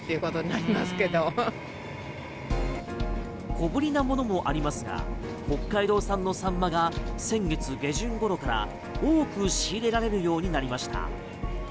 小ぶりなものもありますが北海道産のサンマが先月下旬ごろから多く仕入れられるようになりました。